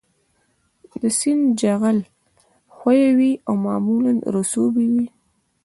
د سیند جغل ښوی وي او معمولاً رسوبي وي